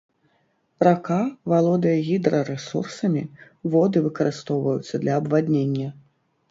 Рака валодае гідрарэсурсамі, воды выкарыстоўваюцца для абваднення.